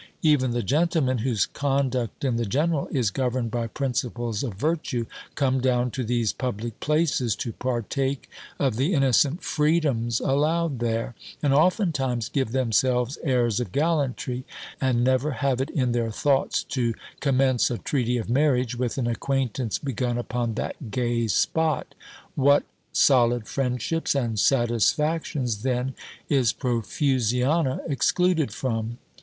Even the gentlemen, whose conduct in the general is governed by principles of virtue, come down to these public places to partake of the innocent freedoms allowed there, and oftentimes give themselves airs of gallantry, and never have it in their thoughts to commence a treaty of marriage with an acquaintance begun upon that gay spot. What solid friendships and satisfactions then is Profusiana excluded from!